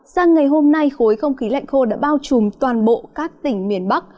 sang ngày hôm nay khối không khí lạnh khô đã bao trùm toàn bộ các tỉnh miền bắc